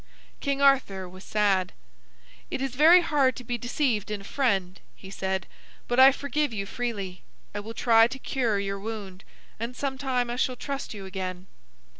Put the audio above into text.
King Arthur was sad. "It is very hard to be deceived in a friend," he said, "but I forgive you freely. I will try to cure your wound, and sometime I shall trust you again."